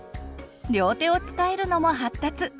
両手を使えるのも発達！